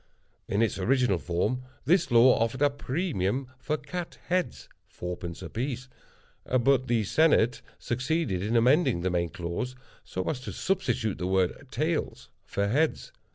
In its original form, this law offered a premium for cat heads (fourpence a piece), but the Senate succeeded in amending the main clause, so as to substitute the word "tails" for "heads."